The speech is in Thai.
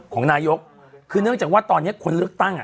ของนายกคือเนื่องจากว่าตอนนี้คนเลือกตั้งอ่ะ